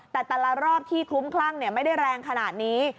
แต่แต่ละรอบที่คลุ้มคลั่งไม่ได้แรงขนาดนี้